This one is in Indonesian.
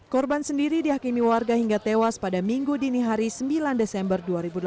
korban sendiri dihakimi warga hingga tewas pada minggu dini hari sembilan desember dua ribu delapan belas